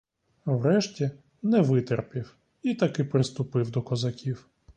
Врешті не витерпів і таки приступив до козаків.